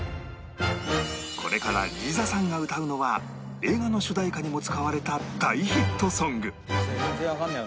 これからリザさんが歌うのは映画の主題歌にも使われた大ヒットソング全然わかんない。